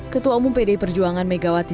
ketua umum pdi perjuangan megawati